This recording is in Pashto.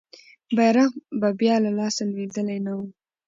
بیرغ به بیا له لاسه لوېدلی نه وو.